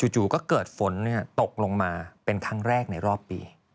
จู่ก็เกิดฝนตกลงมาเป็นครั้งแรกในรอบปี